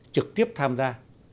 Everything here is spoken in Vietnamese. trực tiếp tham gia